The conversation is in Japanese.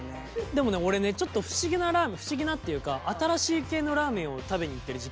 でもね俺ねちょっと不思議なっていうか新しい系のラーメンを食べにいってる時期があって。